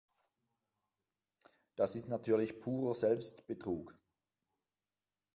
Das ist natürlich purer Selbstbetrug.